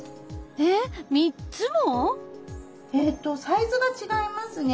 えっ３つも⁉サイズが違いますね。